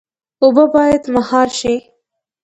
اوبه باید مهار شي